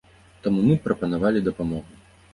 Таму мы прапанавалі дапамогу.